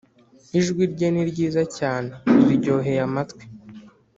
ijwi rye ni ryiza cyane riryoheye amatwi.